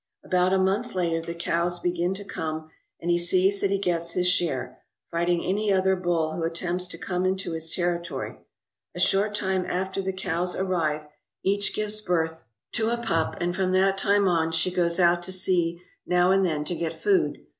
About a month later the cows begin to come, and he sees that he gets his share, fighting any other bull who attempts to come into his territory. A A short time after the cows arrive each gives birth to a 233 ALASKA OUR NORTHERN WONDERLAND pup, and from that time on she goes out to sea now and then to get food.